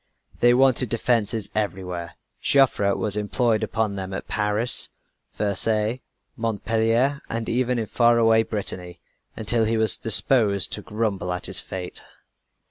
They wanted defenses everywhere. Joffre was employed upon them at Paris, Versailles, Montpellier, and even in faraway Brittany until he was disposed to grumble at his fate.